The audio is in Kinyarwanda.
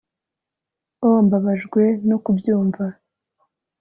oh! mbabajwe no kubyumva